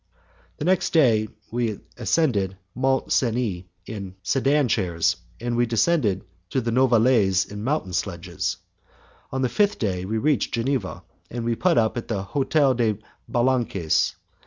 The next day we ascended Mont Cenis in sedan chairs, and we descended to the Novalaise in mountain sledges. On the fifth day we reached Geneva, and we put up at the Hotel des Balances.